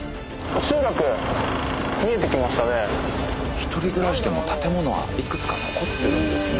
１人暮らしでも建物はいくつか残ってるんですね。